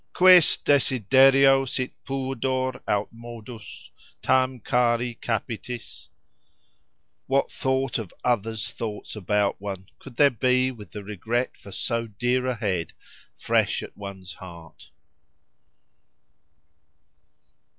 Quis desiderio sit pudor aut modus Tam cari capitis?—+ What thought of others' thoughts about one could there be with the regret for "so dear a head" fresh at one's heart?